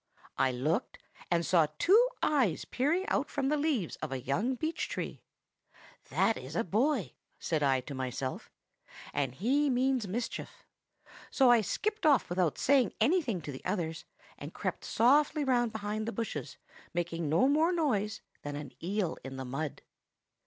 I looked, and saw two eyes peering out from the leaves of a young beech tree. 'That is a boy,' said I to myself, 'and he means mischief!' So I skipped off without saying anything to the others, and crept softly round behind the bushes, making no more noise than an eel in the mud.